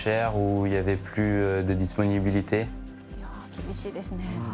厳しいですね。